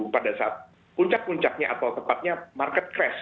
pada saat puncak puncaknya atau tepatnya market crash